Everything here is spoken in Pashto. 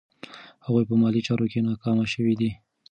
هغوی په مالي چارو کې ناکام شوي دي.